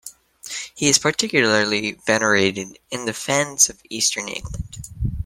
He is particularly venerated in the Fens of eastern England.